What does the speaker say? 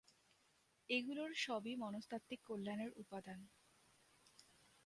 এগুলোর সবই মনস্তাত্ত্বিক কল্যাণের উপাদান।